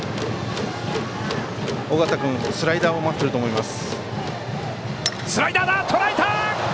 緒方君、スライダーを待ってると思います。